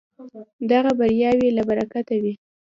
دغه بریاوې له برکته وې.